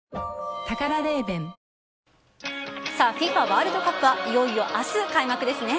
ワールドカップはいよいよ明日開幕ですね。